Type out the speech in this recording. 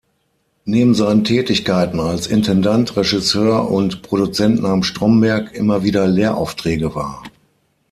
Neben seinen Tätigkeiten als Intendant, Regisseur und Produzent nahm Stromberg immer wieder Lehraufträge wahr.